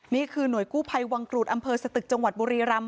นี่คือหน่วยกู้ภัยวังกรูดอำเภอสตึกจังหวัดบุรีรำ